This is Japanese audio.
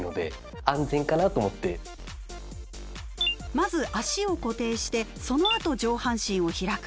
まず足を固定してそのあと上半身を開く。